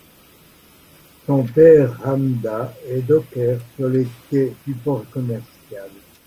Son père Hamda est docker sur les quais du port commercial.